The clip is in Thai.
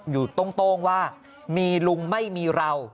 โต้งว่ามีลุงไม่มีเรา